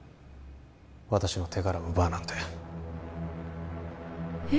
私の手柄を奪うなんてえっ？